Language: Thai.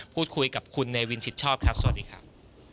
พูดคุยกับคุณเนวินชิดชอบครับสวัสดีครับ